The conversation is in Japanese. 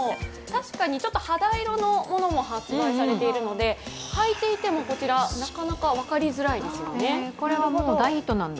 確かにちょっと肌色のものも発売されているので履いていてもなかなか分かりづらいですよね。